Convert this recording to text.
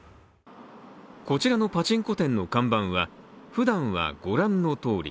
こちらのパチンコ店の看板は、ふだんは御覧のとおり。